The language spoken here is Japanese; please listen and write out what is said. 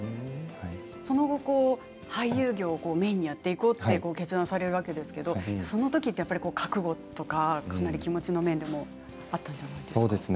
その後、俳優業をメインにやっていこうとご決断されるわけですけどそのときって覚悟とか気持ちの面でもあったんじゃないですか。